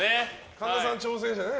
神田さん、挑戦者ね。